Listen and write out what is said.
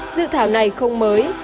dự thảo này không mới